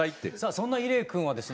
そんな伊礼君はですね